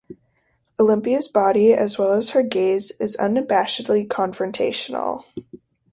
Olympia's body as well as her gaze is unabashedly confrontational.